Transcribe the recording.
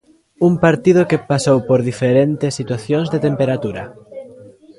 Un partido que pasou por diferentes situacións de temperatura.